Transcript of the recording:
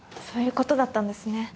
そういうことだったんですね。